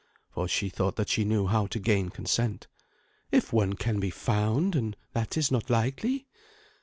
For she thought that she knew how to gain consent. "If one can be found, and that is not likely.